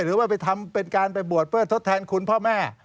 หรือว่าไปทำเป็นการไปบวชเพื่อทดแทนคุณพ่อแม่